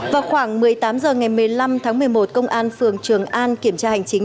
vào khoảng một mươi tám h ngày một mươi năm tháng một mươi một công an phường trường an kiểm tra hành chính